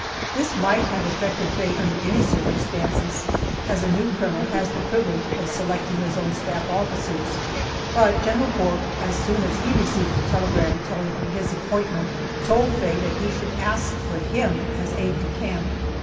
This might have affected Faye under any circumstances, as a new colonel has the privilege of selecting his own staff officers, but General Bourke, as soon as he received the telegram telling of his appointment, told Faye that he should ask for him as aide de camp.